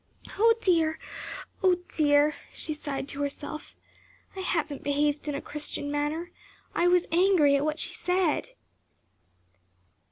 "Oh dear! oh dear!" she sighed to herself. "I haven't behaved in a Christian manner; I was angry at what she said."